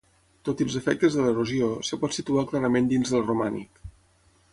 Tot i els efectes de l'erosió, es pot situar clarament dins del romànic.